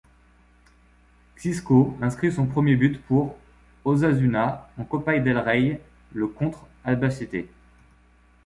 Xisco inscrit son premier but pour Osasuna en Copa del Rey le contre Albacete.